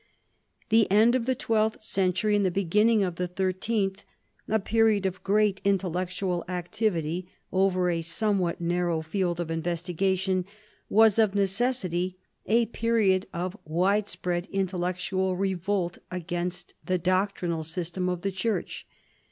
The end of the twelfth century and the beginning of the thirteenth, a period of great intellectual activity over a somewhat narrow field of investigation, was of necessity a period of widespread intellectual revolt against the doctrinal system of the church.